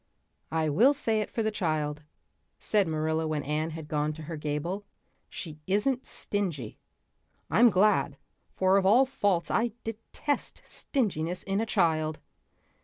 "I will say it for the child," said Marilla when Anne had gone to her gable, "she isn't stingy. I'm glad, for of all faults I detest stinginess in a child.